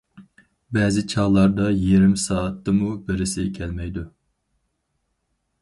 بەزى چاغلاردا يېرىم سائەتتىمۇ بىرسى كەلمەيدۇ.